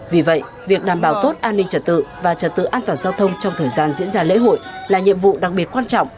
vì vậy việc đảm bảo tốt an ninh trật tự và trật tự an toàn giao thông trong thời gian diễn ra lễ hội là nhiệm vụ đặc biệt quan trọng